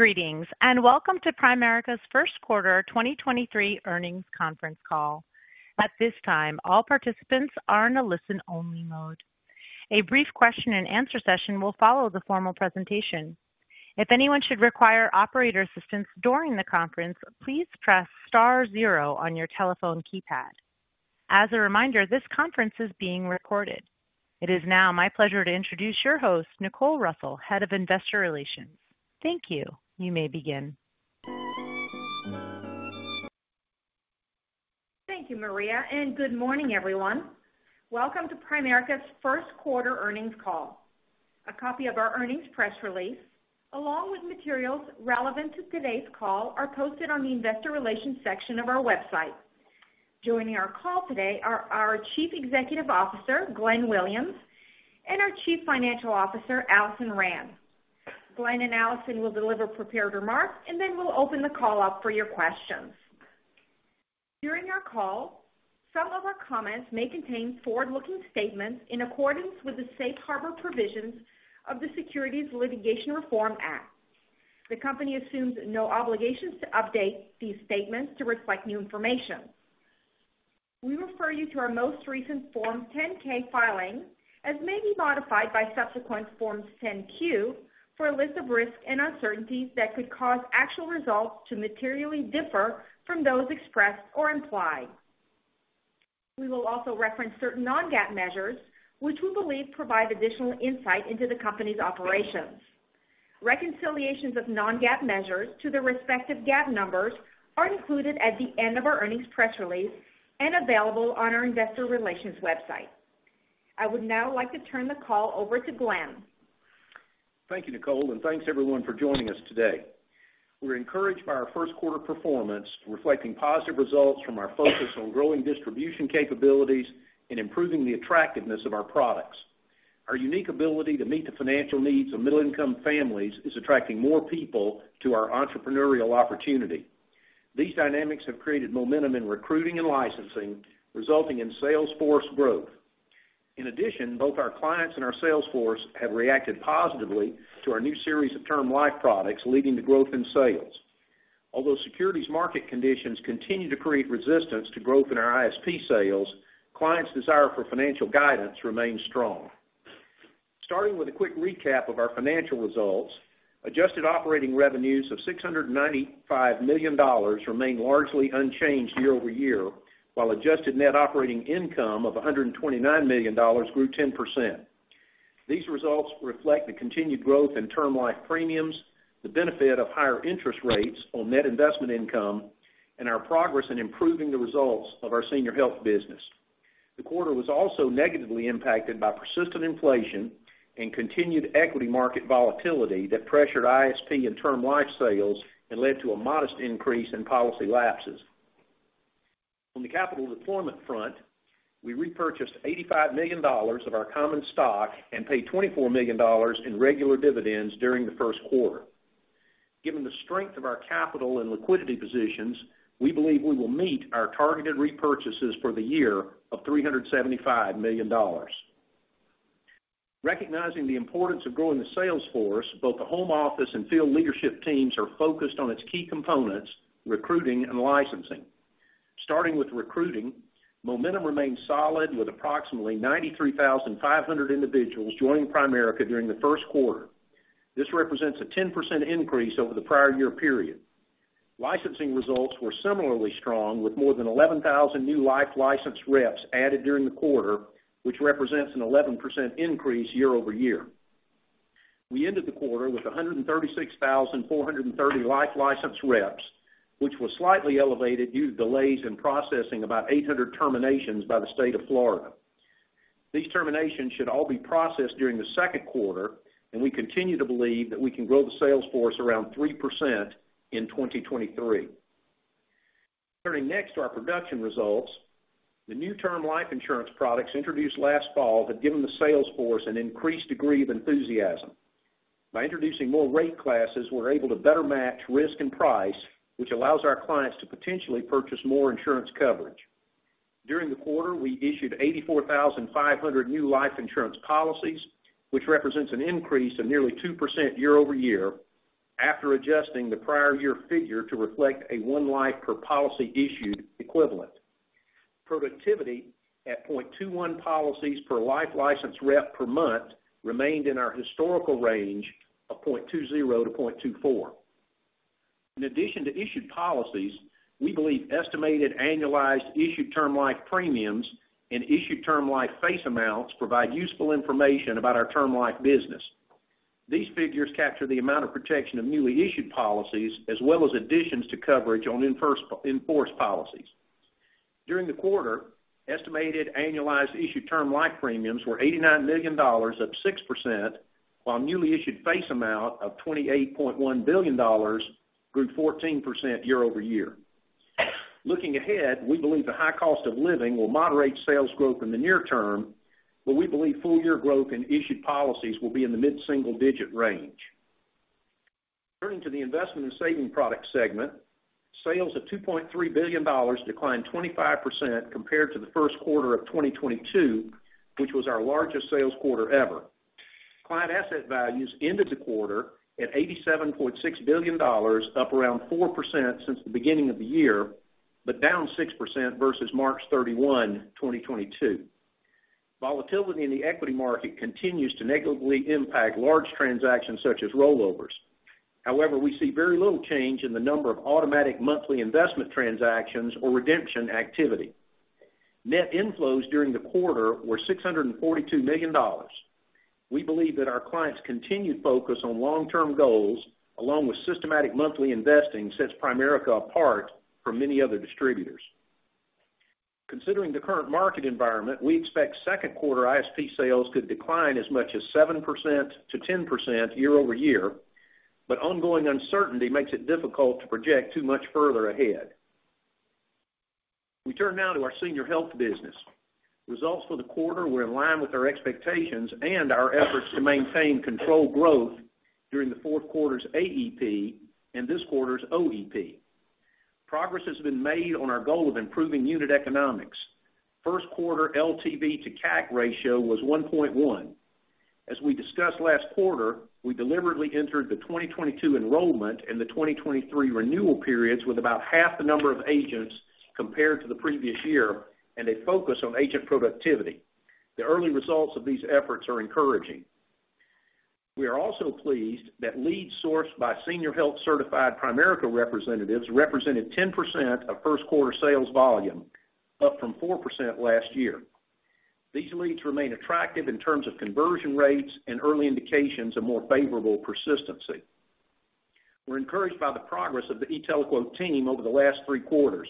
Greetings, welcome to Primerica's first quarter 2023 earnings conference call. At this time, all participants are in a listen-only mode. A brief question-and-answer session will follow the formal presentation. If anyone should require operator assistance during the conference, please press star zero on your telephone keypad. As a reminder, this conference is being recorded. It is now my pleasure to introduce your host, Nicole Russell, Head of Investor Relations. Thank you. You may begin. Thank you, Maria, good morning, everyone. Welcome to Primerica's first quarter earnings call. A copy of our earnings press release, along with materials relevant to today's call, are posted on the investor relations section of our website. Joining our call today are our Chief Executive Officer, Glenn Williams, and our Chief Financial Officer, Alison Rand. Glenn and Alison will deliver prepared remarks, and then we'll open the call up for your questions. During our call, some of our comments may contain forward-looking statements in accordance with the safe harbor provisions of the Securities Litigation Reform Act. The company assumes no obligations to update these statements to reflect new information. We refer you to our most recent Form 10-K filing, as may be modified by subsequent Forms 10-Q, for a list of risks and uncertainties that could cause actual results to materially differ from those expressed or implied. We will also reference certain non-GAAP measures, which we believe provide additional insight into the company's operations. Reconciliations of non-GAAP measures to the respective GAAP numbers are included at the end of our earnings press release and available on our investor relations website. I would now like to turn the call over to Glenn. Thank you, Nicole. Thanks everyone for joining us today. We're encouraged by our first quarter performance, reflecting positive results from our focus on growing distribution capabilities and improving the attractiveness of our products. Our unique ability to meet the financial needs of middle-income families is attracting more people to our entrepreneurial opportunity. These dynamics have created momentum in recruiting and licensing, resulting in sales force growth. In addition, both our clients and our sales force have reacted positively to our new series of term life products, leading to growth in sales. Although securities market conditions continue to create resistance to growth in our ISP sales, clients' desire for financial guidance remains strong. Starting with a quick recap of our financial results, adjusted operating revenues of $695 million remain largely unchanged year-over-year, while adjusted net operating income of $129 million grew 10%. These results reflect the continued growth in term life premiums, the benefit of higher interest rates on net investment income, and our progress in improving the results of our senior health business. The quarter was also negatively impacted by persistent inflation and continued equity market volatility that pressured ISP and term life sales and led to a modest increase in policy lapses. On the capital deployment front, we repurchased $85 million of our common stock and paid $24 million in regular dividends during the first quarter. Given the strength of our capital and liquidity positions, we believe we will meet our targeted repurchases for the year of $375 million. Recognizing the importance of growing the sales force, both the home office and field leadership teams are focused on its key components, recruiting and licensing. Starting with recruiting, momentum remains solid with approximately 93,500 individuals joining Primerica during the first quarter. This represents a 10% increase over the prior year period. Licensing results were similarly strong with more than 11,000 new life license reps added during the quarter, which represents an 11% increase year-over-year. We ended the quarter with 136,430 life license reps, which was slightly elevated due to delays in processing about 800 terminations by the state of Florida. These terminations should all be processed during the second quarter. We continue to believe that we can grow the sales force around 3% in 2023. Turning next to our production results, the new term life insurance products introduced last fall have given the sales force an increased degree of enthusiasm. By introducing more rate classes, we're able to better match risk and price, which allows our clients to potentially purchase more insurance coverage. During the quarter, we issued 84,500 new life insurance policies, which represents an increase of nearly 2% year-over-year after adjusting the prior year figure to reflect a one life per policy issued equivalent. Productivity at 0.21 policies per life license rep per month remained in our historical range of 0.20-0.24. In addition to issued policies, we believe estimated annualized issued term life premiums and issued term life face amounts provide useful information about our term life business. These figures capture the amount of protection of newly issued policies as well as additions to coverage on in force policies. During the quarter, estimated annualized issued term life premiums were $89 million, up 6%, while newly issued face amount of $28.1 billion grew 14% year-over-year. Looking ahead, we believe the high cost of living will moderate sales growth in the near term, but we believe full-year growth in issued policies will be in the mid-single digit range. Turning to the investment and saving product segment. Sales of $2.3 billion declined 25% compared to the first quarter of 2022, which was our largest sales quarter ever. Client asset values ended the quarter at $87.6 billion, up around 4% since the beginning of the year, but down 6% versus March 31, 2022. Volatility in the equity market continues to negatively impact large transactions such as rollovers. However, we see very little change in the number of automatic monthly investment transactions or redemption activity. Net inflows during the quarter were $642 million. We believe that our clients continued focus on long-term goals, along with systematic monthly investing, sets Primerica apart from many other distributors. Considering the current market environment, we expect second quarter ISP sales could decline as much as 7%-10% year-over-year, but ongoing uncertainty makes it difficult to project too much further ahead. We turn now to our Senior Health business. Results for the quarter were in line with our expectations and our efforts to maintain controlled growth during the fourth quarter's AEP and this quarter's OEP. Progress has been made on our goal of improving unit economics. First quarter LTV to CAC ratio was 1.1. As we discussed last quarter, we deliberately entered the 2022 enrollment and the 2023 renewal periods with about half the number of agents compared to the previous year, and a focus on agent productivity. The early results of these efforts are encouraging. We are also pleased that leads sourced by Senior Health certified Primerica representatives represented 10% of first quarter sales volume, up from 4% last year. These leads remain attractive in terms of conversion rates and early indications of more favorable persistency. We're encouraged by the progress of the e-TeleQuote team over the last three quarters.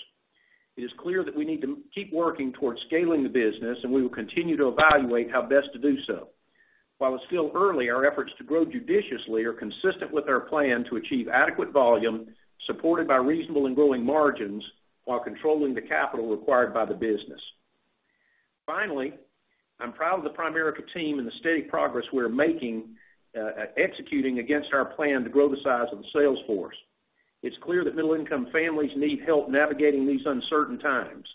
It is clear that we need to keep working towards scaling the business, and we will continue to evaluate how best to do so. While it's still early, our efforts to grow judiciously are consistent with our plan to achieve adequate volume, supported by reasonable and growing margins, while controlling the capital required by the business. I'm proud of the Primerica team and the steady progress we are making at executing against our plan to grow the size of the sales force. It's clear that middle-income families need help navigating these uncertain times.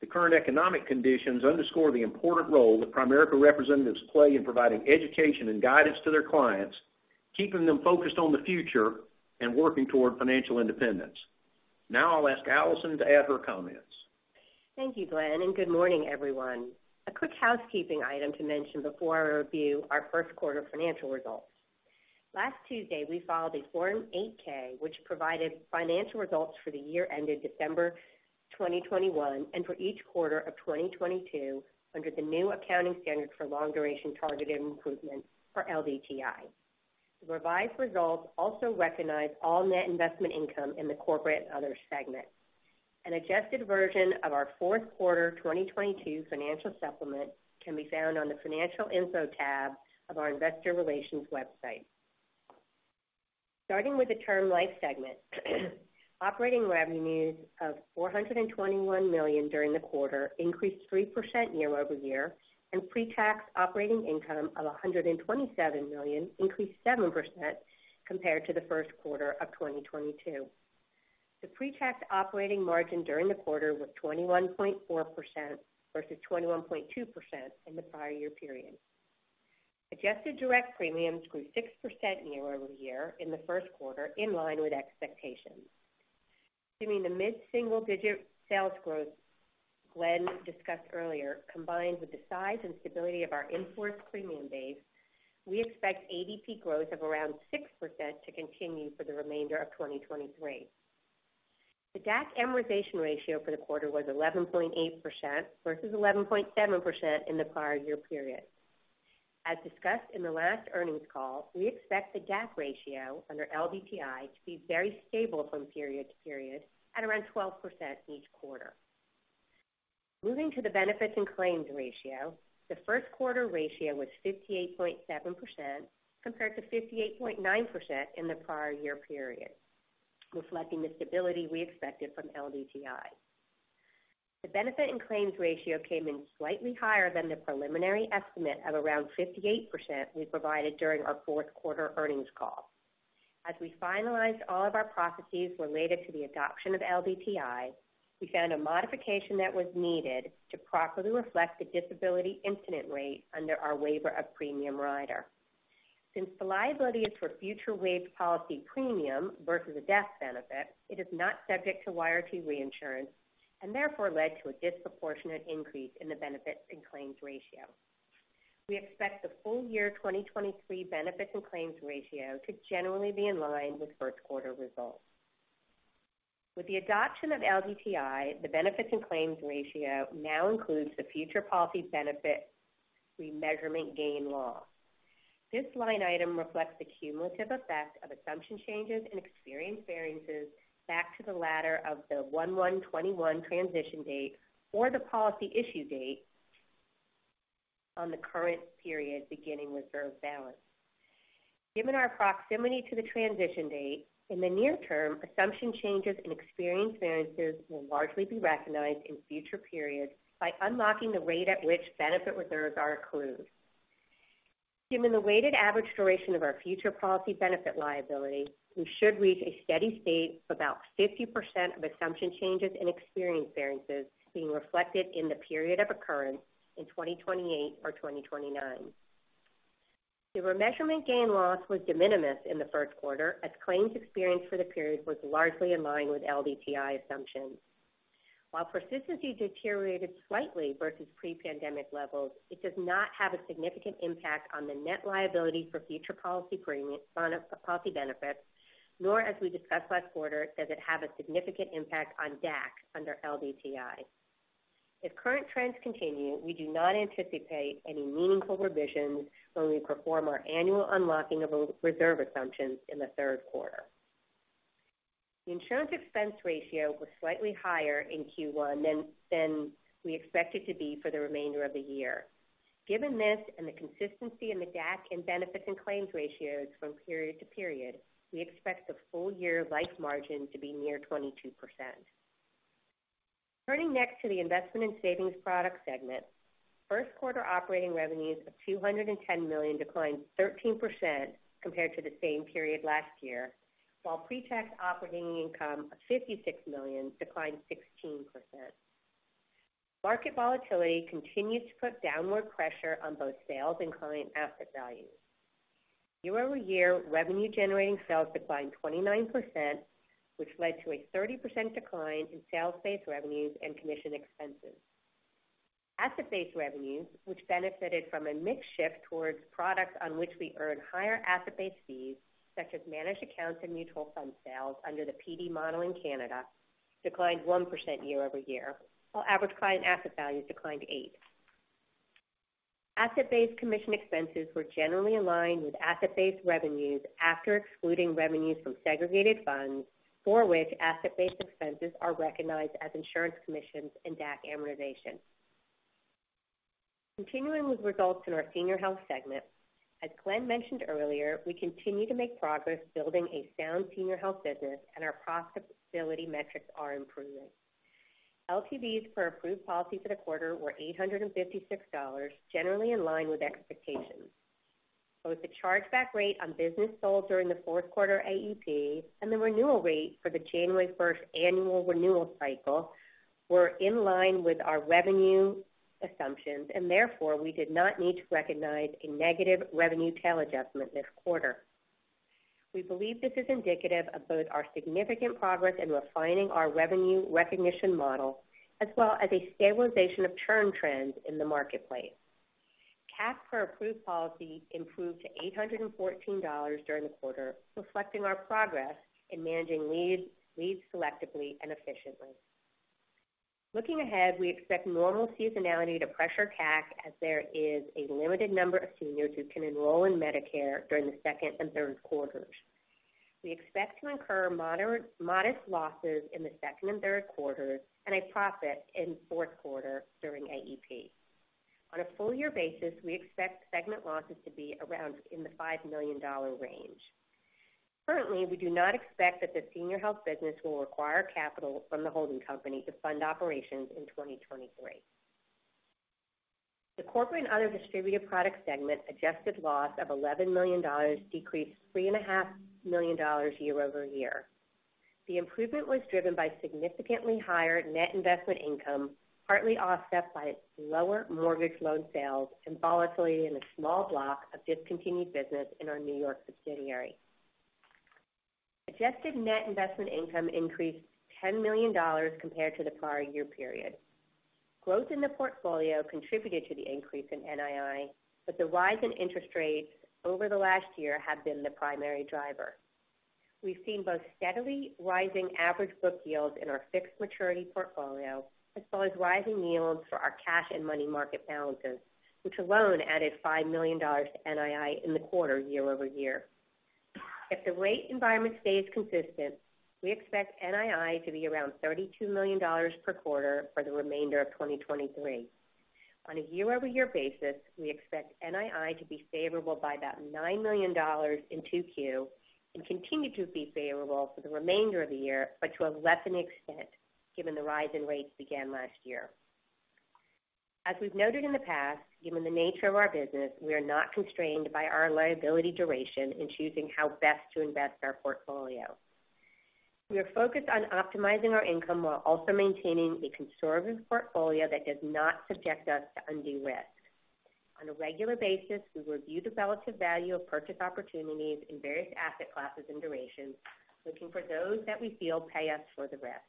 The current economic conditions underscore the important role that Primerica representatives play in providing education and guidance to their clients, keeping them focused on the future and working toward financial independence. I'll ask Alison to add her comments. Thank you, Glenn. Good morning, everyone. A quick housekeeping item to mention before I review our first quarter financial results. Last Tuesday, we filed a Form 8-K, which provided financial results for the year ended December 2021 and for each quarter of 2022 under the new accounting standard for long duration targeted improvements, or LDTI. The revised results also recognize all net investment income in the corporate and other segment. An adjusted version of our fourth quarter 2022 financial supplement can be found on the Financial Info tab of our investor relations website. Starting with the Term Life segment, operating revenues of $421 million during the quarter increased 3% year-over-year, and pre-tax operating income of $127 million increased 7% compared to the first quarter of 2022. The pre-tax operating margin during the quarter was 21.4% versus 21.2% in the prior year period. Adjusted direct premiums grew 6% year-over-year in the first quarter in line with expectations. Assuming the mid-single-digit sales growth Glenn discussed earlier, combined with the size and stability of our in-force premium base, we expect ADP growth of around 6% to continue for the remainder of 2023. The DAC amortization ratio for the quarter was 11.8% versus 11.7% in the prior year period. As discussed in the last earnings call, we expect the DAC ratio under LDTI to be very stable from period to period at around 12% each quarter. Moving to the benefit and claims ratio, the first quarter ratio was 58.7% compared to 58.9% in the prior year period, reflecting the stability we expected from LDTI. The benefit and claims ratio came in slightly higher than the preliminary estimate of around 58% we provided during our fourth quarter earnings call. As we finalized all of our processes related to the adoption of LDTI, we found a modification that was needed to properly reflect the disability incident rate under our Waiver of Premium Rider. Since the liability is for future waived policy premium versus a death benefit, it is not subject to YRT reinsurance and therefore led to a disproportionate increase in the benefit and claims ratio. We expect the full year 2023 benefit and claims ratio to generally be in line with first quarter results. With the adoption of LDTI, the benefits and claims ratio now includes the future policy benefit remeasurement gain loss. This line item reflects the cumulative effect of assumption changes and experience variances back to the latter of the 1/1/2021 transition date or the policy issue date on the current period beginning reserve balance. Given our proximity to the transition date, in the near term, assumption changes and experience variances will largely be recognized in future periods by unlocking the rate at which benefit reserves are accrued. Given the weighted average duration of our future policy benefit liability, we should reach a steady state of about 50% of assumption changes and experience variances being reflected in the period of occurrence in 2028 or 2029. The remeasurement gain loss was de minimis in the first quarter as claims experience for the period was largely in line with LDTI assumptions. While persistency deteriorated slightly versus pre-pandemic levels, it does not have a significant impact on the net liability for future policy benefits, nor as we discussed last quarter, does it have a significant impact on DAC under LDTI. If current trends continue, we do not anticipate any meaningful revisions when we perform our annual unlocking of reserve assumptions in the third quarter. The insurance expense ratio was slightly higher in Q1 than we expect it to be for the remainder of the year. Given this and the consistency in the DAC and benefits and claims ratios from period to period, we expect the full year life margin to be near 22%. Turning next to the investment and savings product segment. First quarter operating revenues of $210 million declined 13% compared to the same period last year, while pre-tax operating income of $56 million declined 16%. Market volatility continues to put downward pressure on both sales and client asset values. Year-over-year revenue generating sales declined 29%, which led to a 30% decline in sales-based revenues and commission expenses. Asset-based revenues, which benefited from a mix shift towards products on which we earn higher asset-based fees, such as managed accounts and mutual fund sales under the PD model in Canada, declined 1% year-over-year, while average client asset values declined 8%. Asset-based commission expenses were generally aligned with asset-based revenues after excluding revenues from segregated funds for which asset-based expenses are recognized as insurance commissions and DAC amortization. Continuing with results in our senior health segment. As Glenn mentioned earlier, we continue to make progress building a sound senior health business and our profitability metrics are improving. LTVs for approved policies for the quarter were $856, generally in line with expectations. Both the chargeback rate on business sold during the fourth quarter AEP and the renewal rate for the January 1st annual renewal cycle were in line with our revenue assumptions, and therefore we did not need to recognize a negative revenue tail adjustment this quarter. We believe this is indicative of both our significant progress in refining our revenue recognition model as well as a stabilization of churn trends in the marketplace. CAC per approved policy improved to $814 during the quarter, reflecting our progress in managing leads selectively and efficiently. Looking ahead, we expect normal seasonality to pressure CAC as there is a limited number of seniors who can enroll in Medicare during the second and third quarters. We expect to incur modest losses in the second and third quarters and a profit in fourth quarter during AEP. On a full year basis, we expect segment losses to be around in the $5 million range. Currently, we do not expect that the senior health business will require capital from the holding company to fund operations in 2023. The corporate and other distributed product segment adjusted loss of $11 million decreased three and a half million dollars year-over-year. The improvement was driven by significantly higher net investment income, partly offset by its lower mortgage loan sales and volatility in a small block of discontinued business in our New York subsidiary. Adjusted net investment income increased $10 million compared to the prior year period. Growth in the portfolio contributed to the increase in NII, but the rise in interest rates over the last year have been the primary driver. We've seen both steadily rising average book yields in our fixed maturity portfolio, as well as rising yields for our cash and money market balances, which alone added $5 million to NII in the quarter year-over-year. If the rate environment stays consistent, we expect NII to be around $32 million per quarter for the remainder of 2023. On a year-over-year basis, we expect NII to be favorable by about $9 million in 2Q and continue to be favorable for the remainder of the year, but to a lessened extent given the rise in rates began last year. As we've noted in the past, given the nature of our business, we are not constrained by our liability duration in choosing how best to invest our portfolio. We are focused on optimizing our income while also maintaining a conservative portfolio that does not subject us to undue risk. On a regular basis, we review the relative value of purchase opportunities in various asset classes and durations, looking for those that we feel pay us for the risk.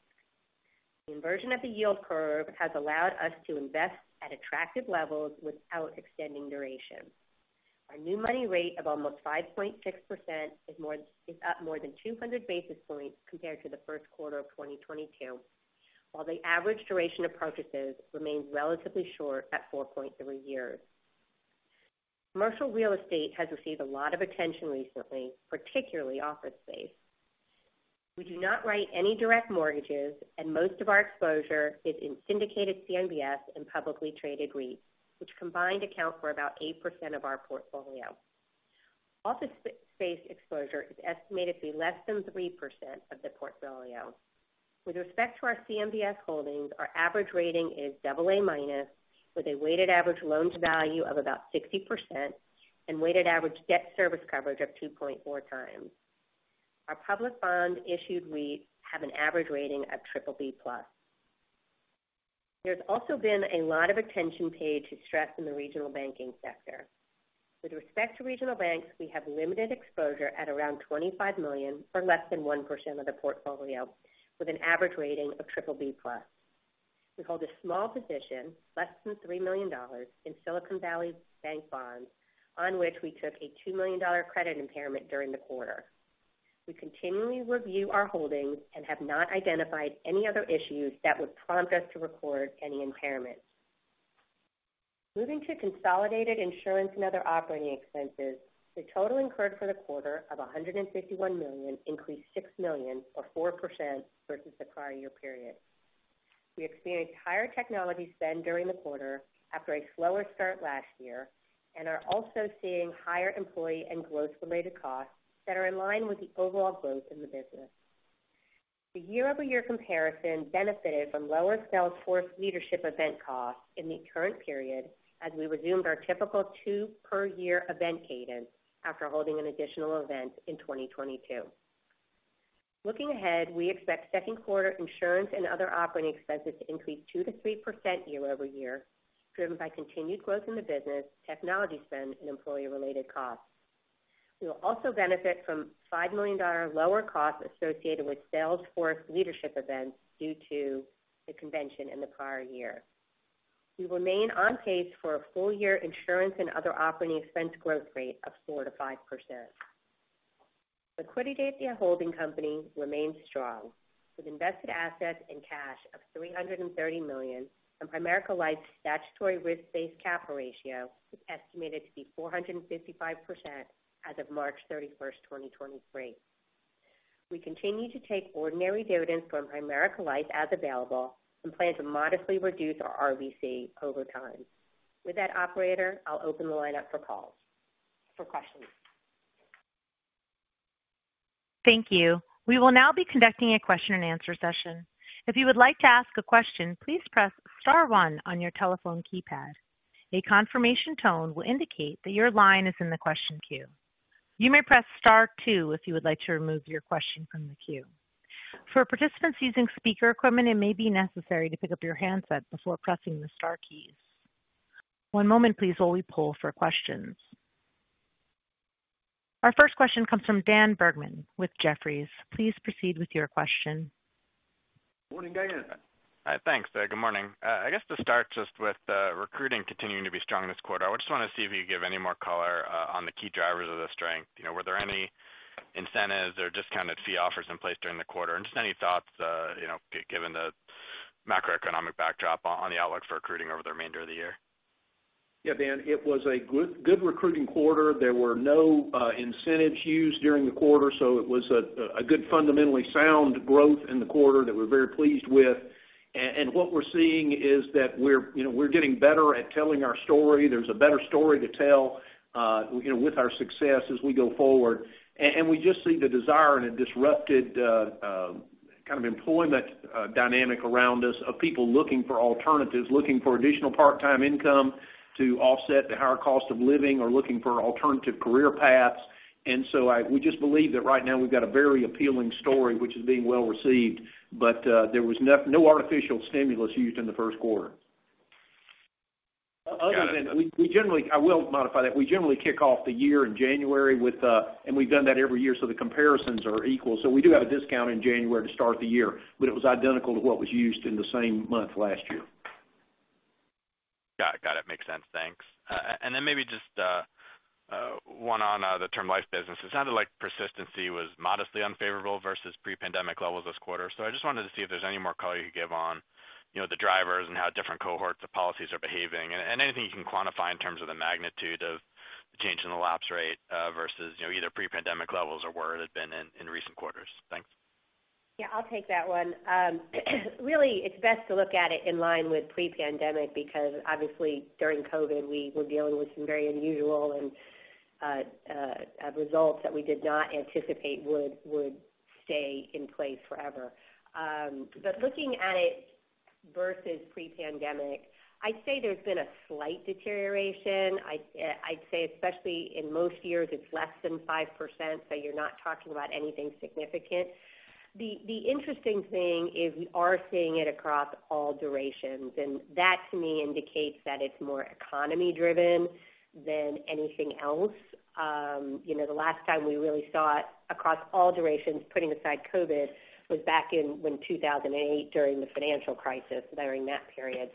The inversion of the yield curve has allowed us to invest at attractive levels without extending duration. Our new money rate of almost 5.6% is up more than 200 basis points compared to the first quarter of 2022, while the average duration of purchases remains relatively short at four point three years. Commercial real estate has received a lot of attention recently, particularly office space. We do not write any direct mortgages and most of our exposure is in syndicated CMBS and publicly traded REITs, which combined account for about 8% of our portfolio. Office space exposure is estimated to be less than 3% of the portfolio. With respect to our CMBS holdings, our average rating is AA-, with a weighted average loan to value of about 60% and weighted average debt service coverage of 2.4 times. Our public bond issued REIT have an average rating of BBB+. There's also been a lot of attention paid to stress in the regional banking sector. With respect to regional banks, we have limited exposure at around $25 million, or less than 1% of the portfolio, with an average rating of BBB+. We hold a small position, less than $3 million, in Silicon Valley's bank bonds, on which we took a $2 million credit impairment during the quarter. We continually review our holdings and have not identified any other issues that would prompt us to record any impairment. Moving to consolidated insurance and other operating expenses, the total incurred for the quarter of $151 million increased $6 million or 4% versus the prior year period. We experienced higher technology spend during the quarter after a slower start last year and are also seeing higher employee and growth-related costs that are in line with the overall growth in the business. The year-over-year comparison benefited from lower sales force leadership event costs in the current period as we resumed our typical 2 per year event cadence after holding an additional event in 2022. Looking ahead, we expect second quarter insurance and other operating expenses to increase 2%-3% year-over-year, driven by continued growth in the business, technology spend and employee-related costs. We will also benefit from $5 million lower costs associated with sales force leadership events due to the convention in the prior year. We remain on pace for a full-year insurance and other operating expense growth rate of 4%-5%. Liquidity at the holding company remains strong, with invested assets and cash of $330 million, and Primerica Life's statutory risk-based capital ratio is estimated to be 455% as of March 31, 2023. We continue to take ordinary dividends from Primerica Life as available and plan to modestly reduce our RBC over time. With that, operator, I'll open the line up for calls, for questions. Thank you. We will now be conducting a question-and-answer session. If you would like to ask a question, please press star one on your telephone keypad. A confirmation tone will indicate that your line is in the question queue. You may press star two if you would like to remove your question from the queue. For participants using speaker equipment, it may be necessary to pick up your handset before pressing the star keys. One moment please while we poll for questions. Our first question comes from Dan Bergman with Jefferies. Please proceed with your question. Morning, guys. Thanks. Good morning. I guess to start just with recruiting continuing to be strong this quarter, I just want to see if you give any more color on the key drivers of the strength? You know, were there any incentives or discounted fee offers in place during the quarter? Just any thoughts, you know, given the macroeconomic backdrop on the outlook for recruiting over the remainder of the year? Yeah, Dan, it was a good recruiting quarter. There were no incentives used during the quarter, so it was a good fundamentally sound growth in the quarter that we're very pleased with. What we're seeing is that we're, you know, we're getting better at telling our story. There's a better story to tell, you know, with our success as we go forward. We just see the desire in a disrupted kind of employment dynamic around us of people looking for alternatives, looking for additional part-time income to offset the higher cost of living or looking for alternative career paths. We just believe that right now we've got a very appealing story which is being well-received. There was no artificial stimulus used in the first quarter. Got it. Other than we generally, I will modify that. We generally kick off the year in January with and we've done that every year, so the comparisons are equal. We do have a discount in January to start the year, but it was identical to what was used in the same month last year. Got it. Makes sense. Thanks. Then maybe just one on the term life business. It sounded like persistency was modestly unfavorable versus pre-pandemic levels this quarter. I just wanted to see if there's any more color you could give on, you know, the drivers and how different cohorts of policies are behaving, and anything you can quantify in terms of the magnitude of the change in the lapse rate, versus, you know, either pre-pandemic levels or where it had been in recent quarters. Thanks. Yeah, I'll take that one. Really, it's best to look at it in line with pre-pandemic because obviously during COVID, we were dealing with some very unusual and results that we did not anticipate would stay in place forever. Looking at it versus pre-pandemic, I'd say there's been a slight deterioration. I'd say especially in most years, it's less than 5%, so you're not talking about anything significant. The interesting thing is we are seeing it across all durations, and that to me indicates that it's more economy driven than anything else. You know, the last time we really saw it across all durations, putting aside COVID, was back in 2008 during the financial crisis, during that period.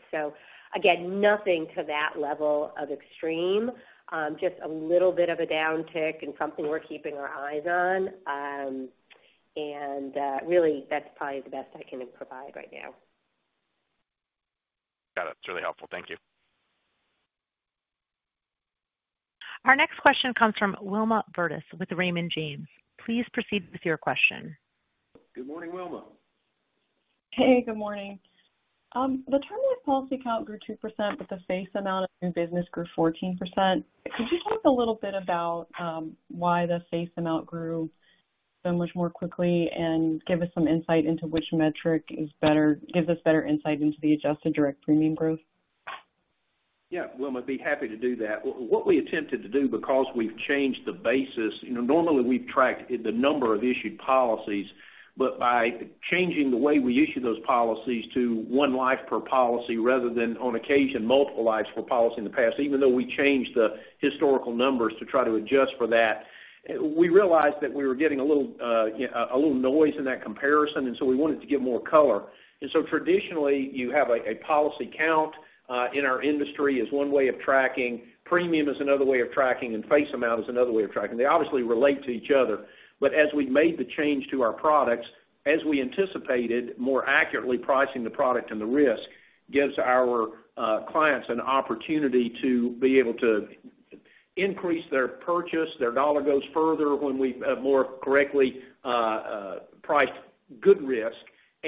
Nothing to that level of extreme, just a little bit of a downtick and something we're keeping our eyes on. Really, that's probably the best I can provide right now. Got it. It's really helpful. Thank you. Our next question comes from Wilma Burdis with Raymond James. Please proceed with your question. Good morning, Wilma. Hey, good morning. The term life policy count grew 2%, but the face amount of new business grew 14%. Could you talk a little bit about why the face amount grew so much more quickly and give us some insight into which metric gives us better insight into the adjusted direct premium growth? Yeah. Wilma, I'd be happy to do that. What we attempted to do because we've changed the basis, you know, normally we've tracked the number of issued policies, but by changing the way we issue those policies to one life per policy rather than, on occasion, multiple lives per policy in the past, even though we changed the historical numbers to try to adjust for that, we realized that we were getting a little noise in that comparison. We wanted to give more color. Traditionally, you have a policy count in our industry as one way of tracking. Premium is another way of tracking, and face amount is another way of tracking. They obviously relate to each other. As we made the change to our products, as we anticipated more accurately pricing the product and the risk gives our clients an opportunity to be able to increase their purchase. Their dollar goes further when we've more correctly priced good risk,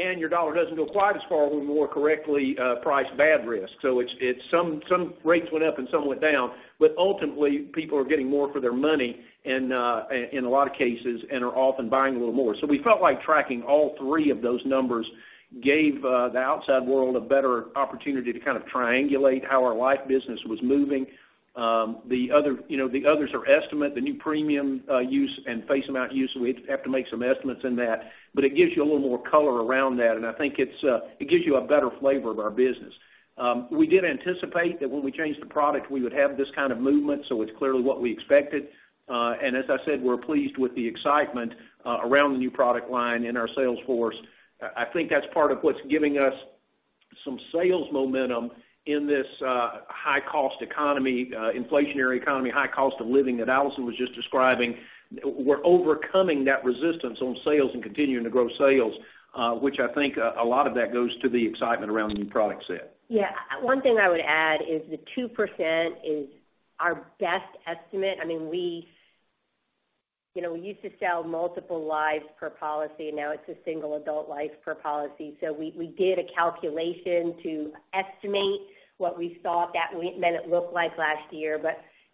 and your dollar doesn't go quite as far when we more correctly price bad risk. Some rates went up and some went down. Ultimately, people are getting more for their money in a lot of cases and are often buying a little more. We felt like tracking all three of those numbers gave the outside world a better opportunity to kind of triangulate how our life business was moving. The other, you know, the others are estimate, the new premium use and face amount use. We have to make some estimates in that, but it gives you a little more color around that, and I think it's, it gives you a better flavor of our business. We did anticipate that when we changed the product, we would have this kind of movement, so it's clearly what we expected. As I said, we're pleased with the excitement around the new product line in our sales force. I think that's part of what's giving us some sales momentum in this high cost economy, inflationary economy, high cost of living that Allison was just describing. We're overcoming that resistance on sales and continuing to grow sales, which I think a lot of that goes to the excitement around the new product set. One thing I would add is the 2% is our best estimate. I mean, we, you know, we used to sell multiple lives per policy, and now it's a single adult life per policy. We did a calculation to estimate what we thought that meant it looked like last year.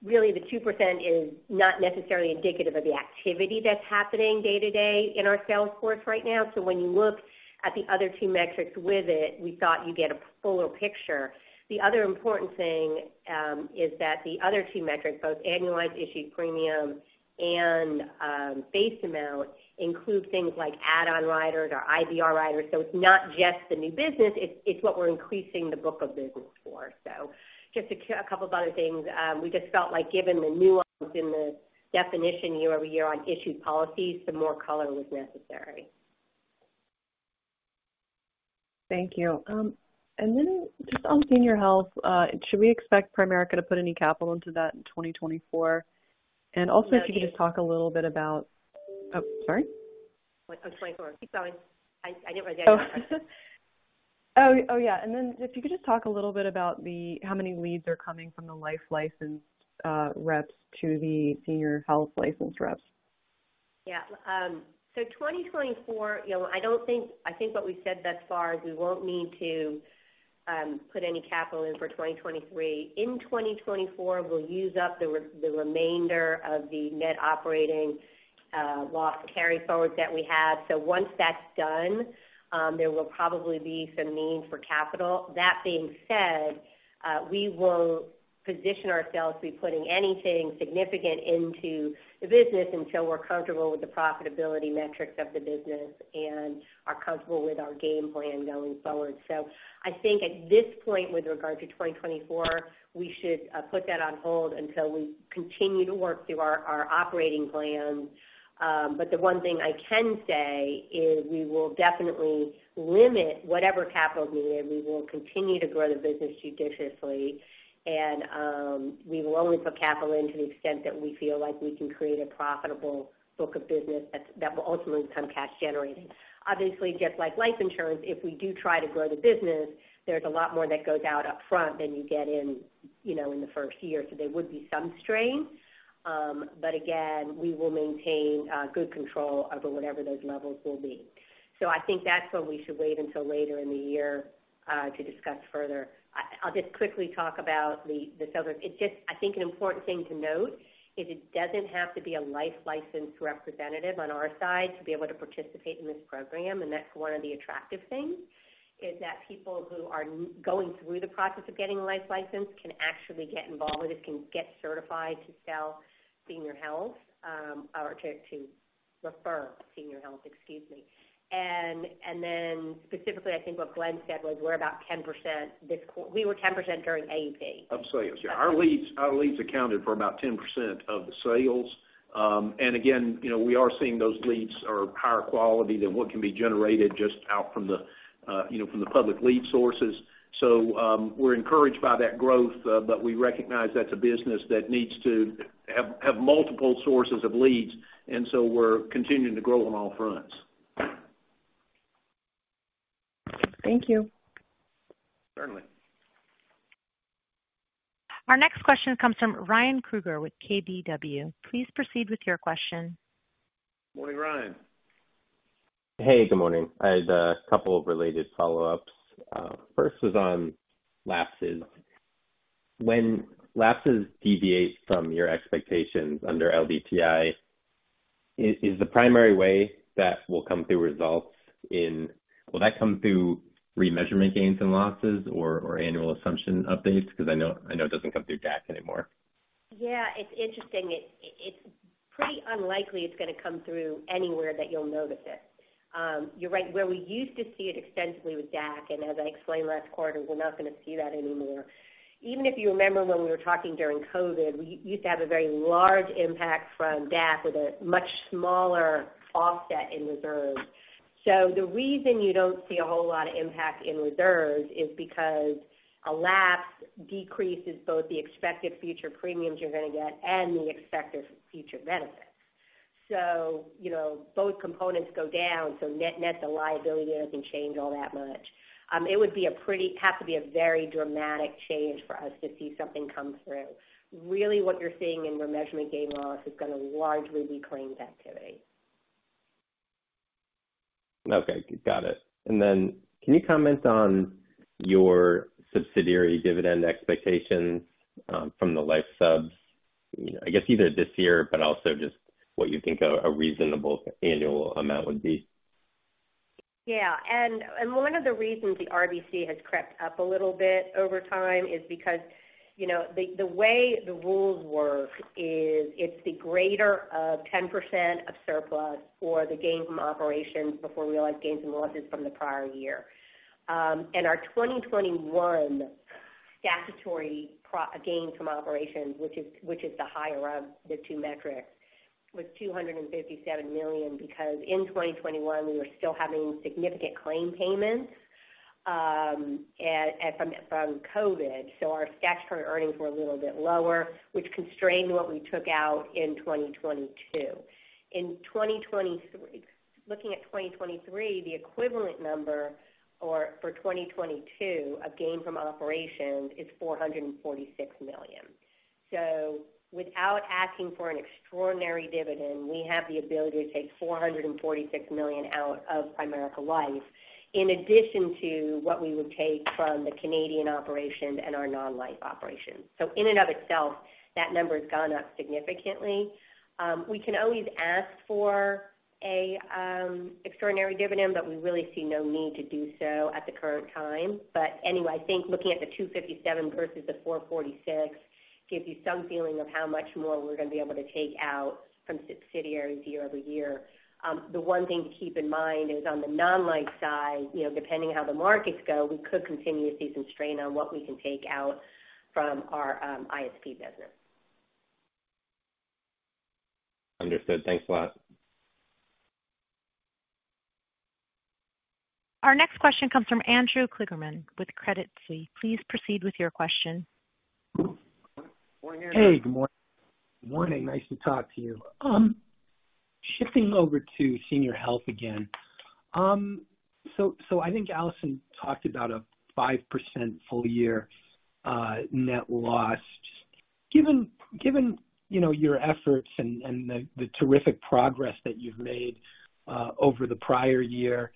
Really, the 2% is not necessarily indicative of the activity that's happening day-to-day in our sales force right now. When you look at the other two metrics with it, we thought you'd get a fuller picture. The other important thing is that the other two metrics, both annualized issued premium and face amount, include things like add-on riders or IBR riders. It's not just the new business, it's what we're increasing the book of business for. Just a couple of other things, we just felt like given the nuance in the definition year-over-year on issued policies, some more color was necessary. Thank you. Just on Senior Health, should we expect Primerica to put any capital into that in 2024? Also, if you could just talk a little bit about. sorry? 2024. Keep going. I didn't write that down. Oh, oh, yeah. If you could just talk a little bit about the, how many leads are coming from the life licensed reps to the Senior Health licensed reps? Yeah. I think what we've said thus far is we won't need to put any capital in for 2023. In 2024, we'll use up the remainder of the net operating loss carryforward that we have. Once that's done, there will probably be some need for capital. That being said, we won't position ourselves to be putting anything significant into the business until we're comfortable with the profitability metrics of the business and are comfortable with our game plan going forward. I think at this point, with regard to 2024, we should put that on hold until we continue to work through our operating plans. The one thing I can say is we will definitely limit whatever capital is needed. We will continue to grow the business judiciously, we will only put capital in to the extent that we feel like we can create a profitable book of business that will ultimately become cash generating. Obviously, just like life insurance, if we do try to grow the business, there's a lot more that goes out up front than you get in, you know, in the first year. There would be some strain, but again, we will maintain good control over whatever those levels will be. I think that's when we should wait until later in the year to discuss further. I'll just quickly talk about this other... I think an important thing to note is it doesn't have to be a life licensed representative on our side to be able to participate in this program, and that's one of the attractive things, is that people who are going through the process of getting a life license can actually get involved with this, can get certified to sell Senior Health, or to refer Senior Health, excuse me. Then specifically, I think what Glenn said was we're about 10% we were 10% during AEP. Of sales, yeah. Our leads accounted for about 10% of the sales. Again, you know, we are seeing those leads are higher quality than what can be generated just out from the, you know, from the public lead sources. We're encouraged by that growth, but we recognize that's a business that needs to have multiple sources of leads, and so we're continuing to grow on all fronts. Thank you. Certainly. Our next question comes from Ryan Krueger with KBW. Please proceed with your question. Morning, Ryan. Hey, good morning. I had a couple of related follow-ups. First was on lapses. When lapses deviate from your expectations under LDTI, is the primary way that will come through results? Will that come through remeasurement gains and losses or annual assumption updates? I know it doesn't come through DAC anymore. Yeah, it's interesting. It's pretty unlikely it's going to come through anywhere that you'll notice it. You're right, where we used to see it extensively with DAC, and as I explained last quarter, we're not going to see that anymore. Even if you remember when we were talking during COVID, we used to have a very large impact from DAC with a much smaller offset in reserves. The reason you don't see a whole lot of impact in reserves is because a lapse decreases both the expected future premiums you're going to get and the expected future benefits. You know, both components go down, so net-net, the liability doesn't change all that much. It would have to be a very dramatic change for us to see something come through. Really what you're seeing in remeasurement gain loss is going to largely be claims activity. Okay, got it. Then can you comment on your subsidiary dividend expectations from the life subs? I guess either this year but also just what you think a reasonable annual amount would be? Yeah. One of the reasons the RBC has crept up a little bit over time is because, you know, the way the rules work is it's the greater of 10% of surplus or the gain from operations before realized gains and losses from the prior year. Our 2021 statutory gain from operations, which is the higher of the two metrics, was $257 million because in 2021 we were still having significant claim payments from COVID. Our statutory earnings were a little bit lower, which constrained what we took out in 2022. Looking at 2023, the equivalent number or for 2022 of gain from operations is $446 million. Without asking for an extraordinary dividend, we have the ability to take $446 million out of Primerica Life, in addition to what we would take from the Canadian operation and our non-life operations. We can always ask for an extraordinary dividend, but we really see no need to do so at the current time. I think looking at the $257 versus the $446 gives you some feeling of how much more we're going to be able to take out from subsidiaries year-over-year. The one thing to keep in mind is on the non-life side, you know, depending on how the markets go, we could continue to see some strain on what we can take out from our ISP business. Understood. Thanks a lot. Our next question comes from Andrew Kligerman with Credit Suisse. Please proceed with your question. Morning, Andrew. Hey, good morning. Morning. Nice to talk to you. Shifting over to senior health again. I think Alison talked about a 5% full year net loss. Given, you know, your efforts and the terrific progress that you've made over the prior year,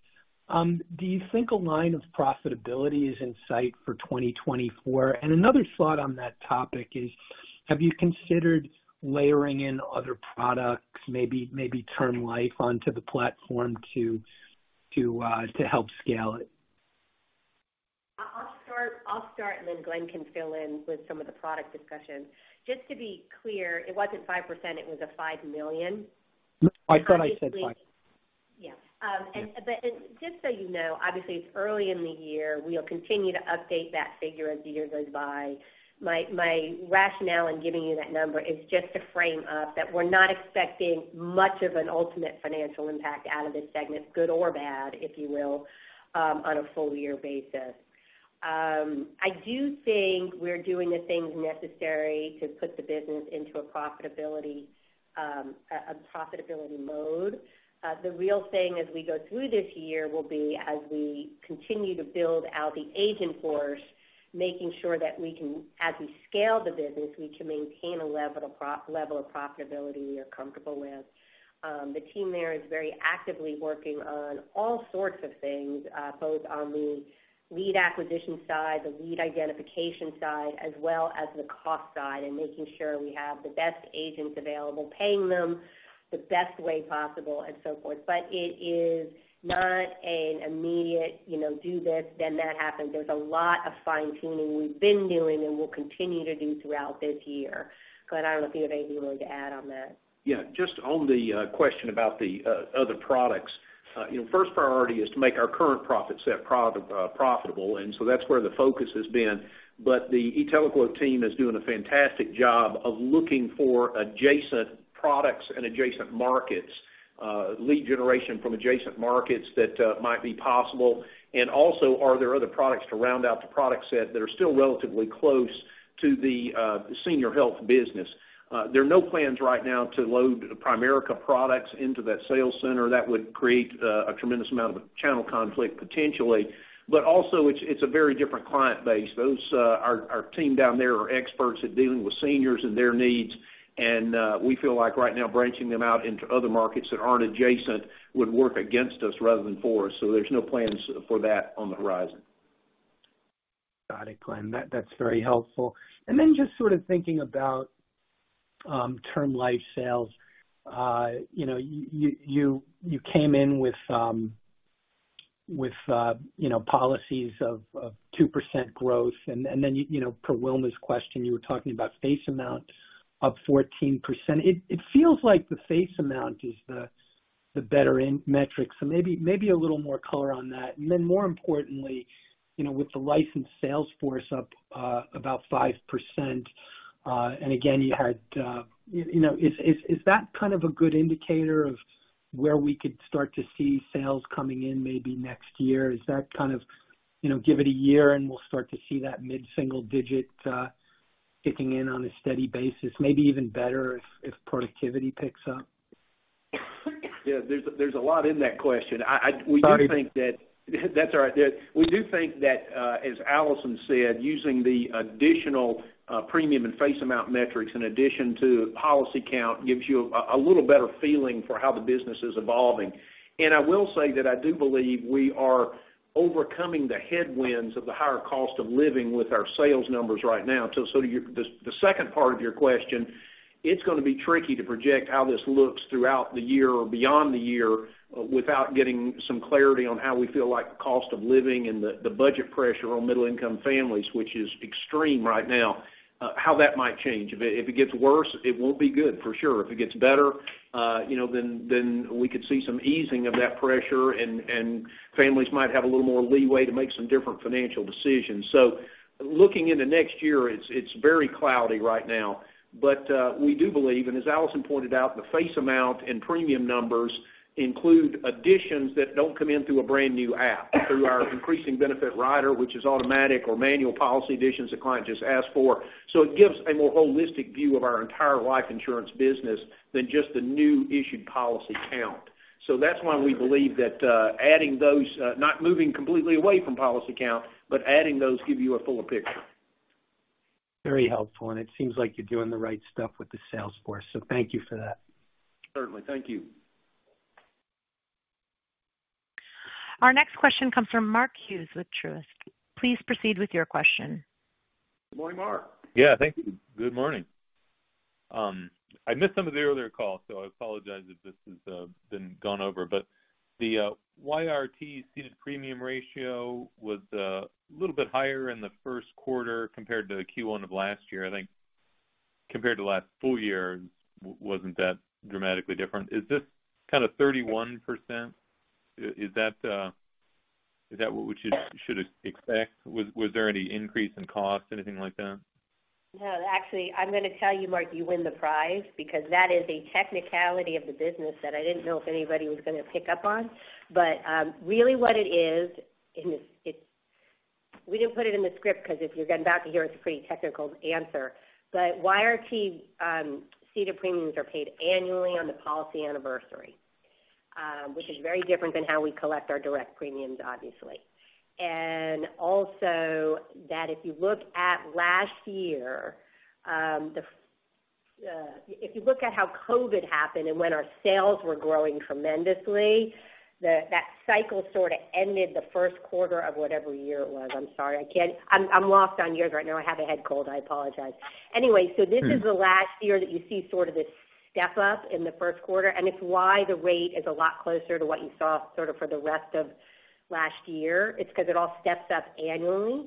do you think a line of profitability is in sight for 2024? Another thought on that topic is, have you considered layering in other products, maybe term life onto the platform to help scale it? I'll start, and then Glenn can fill in with some of the product discussion. Just to be clear, it wasn't 5%, it was a $5 million. I thought I said five. Yeah. Just so you know, obviously it's early in the year. We'll continue to update that figure as the year goes by. My rationale in giving you that number is just to frame up that we're not expecting much of an ultimate financial impact out of this segment, good or bad, if you will, on a full year basis. I do think we're doing the things necessary to put the business into a profitability, a profitability mode. The real thing as we go through this year will be as we continue to build out the agent force, making sure that we can, as we scale the business, we can maintain a level of profitability we are comfortable with. The team there is very actively working on all sorts of things, both on the lead acquisition side, the lead identification side, as well as the cost side, and making sure we have the best agents available, paying them the best way possible, and so forth. It is not an immediate, you know, do this, then that happens. There's a lot of fine-tuning we've been doing and will continue to do throughout this year. Glenn, I don't know if you have anything you wanted to add on that. Yeah, just on the question about the other products. You know, first priority is to make our current profit set profitable, that's where the focus has been. The e-TeleQuote team is doing a fantastic job of looking for adjacent products and adjacent markets. Lead generation from adjacent markets that might be possible. Are there other products to round out the product set that are still relatively close to the senior health business? There are no plans right now to load Primerica products into that sales center. That would create a tremendous amount of channel conflict potentially. It's a very different client base. Our team down there are experts at dealing with seniors and their needs. We feel like right now branching them out into other markets that aren't adjacent would work against us rather than for us. There's no plans for that on the horizon. Got it, Glenn. That's very helpful. Just sort of thinking about term life sales. You know, you came in with, you know, policies of 2% growth. Then, you know, per Wilma's question, you were talking about face amount up 14%. It feels like the face amount is the better in metrics. Maybe a little more color on that. Then more importantly, you know, with the licensed sales force up about 5%, again, you had, you know, is that kind of a good indicator of where we could start to see sales coming in maybe next year? Is that kind of, you know, give it a year and we'll start to see that mid-single digit kicking in on a steady basis, maybe even better if productivity picks up? Yeah. There's a lot in that question. I, we do think that-. Sorry. That's all right. We do think that as Allison said, using the additional premium and face amount metrics in addition to policy count gives you a little better feeling for how the business is evolving. I will say that I do believe we are overcoming the headwinds of the higher cost of living with our sales numbers right now. To the second part of your question, it's gonna be tricky to project how this looks throughout the year or beyond the year without getting some clarity on how we feel like cost of living and the budget pressure on middle income families, which is extreme right now, how that might change. If it gets worse, it won't be good for sure. If it gets better, you know, then we could see some easing of that pressure and families might have a little more leeway to make some different financial decisions. Looking into next year, it's very cloudy right now. We do believe, and as Alison pointed out, the face amount and premium numbers include additions that don't come in through a brand new app, through our Increasing Benefit Rider, which is automatic or manual policy additions the client just asked for. It gives a more holistic view of our entire life insurance business than just the new issued policy count. That's why we believe that adding those, not moving completely away from policy count, but adding those give you a fuller picture. Very helpful, and it seems like you're doing the right stuff with the sales force, so thank you for that. Certainly. Thank you. Our next question comes from Mark Hughes with Truist. Please proceed with your question. Good morning, Mark. Yeah. Thank you. Good morning. I missed some of the earlier call, so I apologize if this has been gone over. The YRT ceded premium ratio was little bit higher in the 1st quarter compared to the Q1 of last year. I think compared to last full year, wasn't that dramatically different. Is this kind of 31%? Is that what we should expect? Was there any increase in cost, anything like that? No. Actually, I'm gonna tell you, Mark, you win the prize because that is a technicality of the business that I didn't know if anybody was gonna pick up on. Really what it is, and we didn't put it in the script because if you're going back to here, it's a pretty technical answer. YRT ceded premiums are paid annually on the policy anniversary, which is very different than how we collect our direct premiums, obviously. If you look at last year, if you look at how COVID happened and when our sales were growing tremendously, that cycle sort of ended the first quarter of whatever year it was. I'm sorry. I'm lost on years right now. I have a head cold. I apologize. This is the last year that you see sort of this step up in the first quarter, and it's why the rate is a lot closer to what you saw sort of for the rest of last year. It's because it all steps up annually.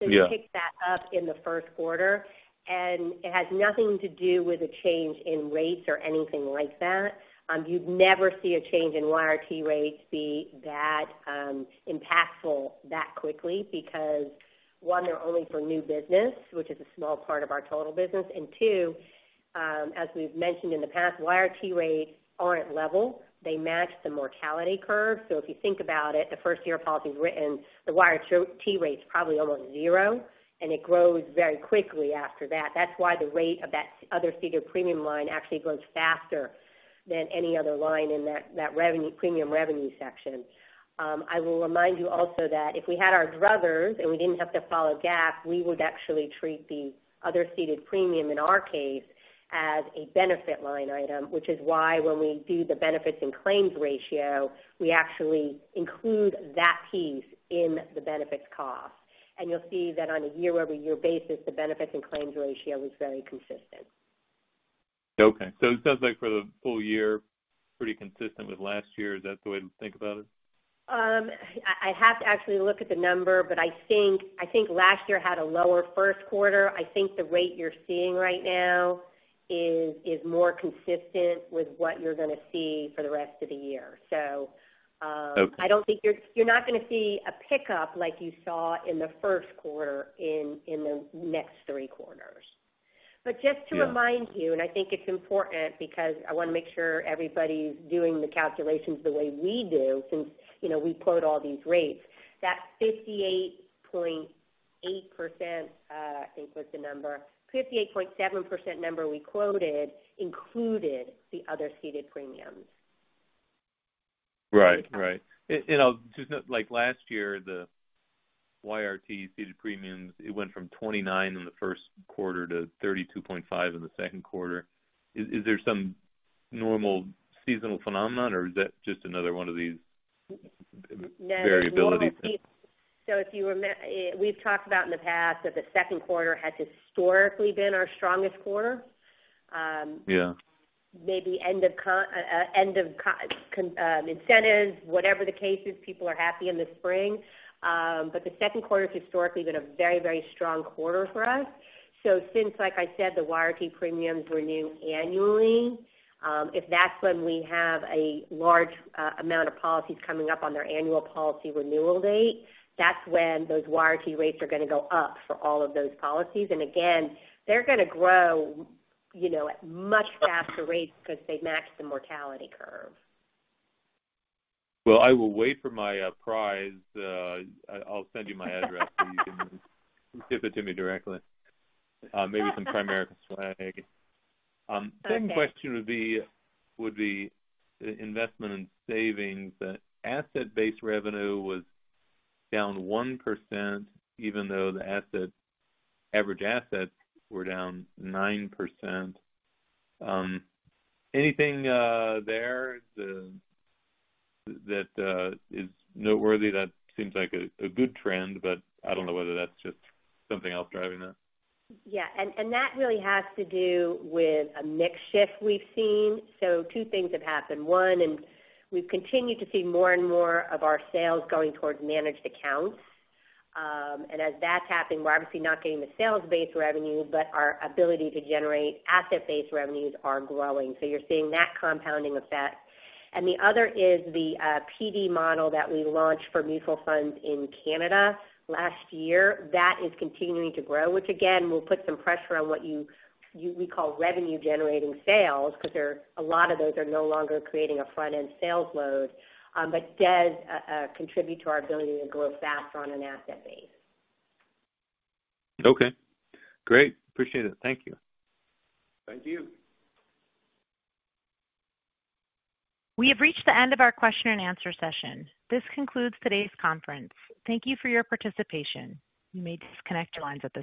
Yeah. You pick that up in the first quarter, and it has nothing to do with a change in rates or anything like that. You'd never see a change in YRT rates be that impactful that quickly because, one, they're only for new business, which is a small part of our total business. Two, as we've mentioned in the past, YRT rates aren't level. They match the mortality curve. If you think about it, the first year a policy is written, the YRT rate is probably almost zero, and it grows very quickly after that. That's why the rate of that other ceded premium line actually grows faster than any other line in that premium revenue section. I will remind you also that if we had our druthers and we didn't have to follow GAAP, we would actually treat the other ceded premium in our case as a benefit line item, which is why when we do the benefits and claims ratio, we actually include that piece in the benefits cost. You'll see that on a year-over-year basis, the benefits and claims ratio was very consistent. Okay. It sounds like for the full year, pretty consistent with last year. Is that the way to think about it? I have to actually look at the number, but I think last year had a lower first quarter. I think the rate you're seeing right now is more consistent with what you're gonna see for the rest of the year. I don't think you're not gonna see a pickup like you saw in the first quarter in the next three quarters. Yeah. Just to remind you, and I think it's important because I wanna make sure everybody's doing the calculations the way we do since, you know, we quote all these rates. That 58.8%, I think was the number, 58.7% number we quoted included the other ceded premiums. Right. Right. and I'll just note, like last year, the YRT ceded premiums, it went from $29 in the first quarter to $32.5 in the second quarter. Is there some normal seasonal phenomenon or is that just another one of these variability things? We've talked about in the past that the second quarter has historically been our strongest quarter. Yeah. Maybe end of con incentives, whatever the case is, people are happy in the spring. But the second quarter's historically been a very, very strong quarter for us. Since, like I said, the YRT premiums renew annually, if that's when we have a large amount of policies coming up on their annual policy renewal date, that's when those YRT rates are gonna go up for all of those policies. And again, they're gonna grow, you know, at much faster rates because they max the mortality curve. Well, I will wait for my prize. I'll send you my address so you can ship it to me directly. Maybe some Primerica swag. Okay. Second question would be investment in savings. Asset-based revenue was down 1%, even though the assets, average assets were down 9%. Anything there that is noteworthy? That seems like a good trend, but I don't know whether that's just something else driving that. That really has to do with a mix shift we've seen. Two things have happened. One, we've continued to see more and more of our sales going towards managed accounts. As that's happening, we're obviously not getting the sales-based revenue, but our ability to generate asset-based revenues are growing. You're seeing that compounding effect. The other is the PD model that we launched for mutual funds in Canada last year. That is continuing to grow, which again, will put some pressure on what we call revenue generating sales because a lot of those are no longer creating a front-end sales load, but does contribute to our ability to grow faster on an asset base. Okay, great. Appreciate it. Thank you. Thank you. We have reached the end of our question and answer session. This concludes today's conference. Thank you for your participation. You may disconnect your lines at this time.